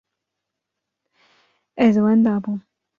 Ez wenda bûm.